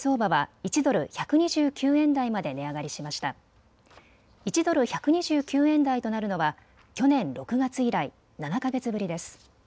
１ドル１２９円台となるのは去年６月以来、７か月ぶりです。